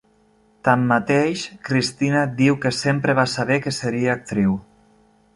Tanmateix, Cristina diu que sempre va saber que seria actriu.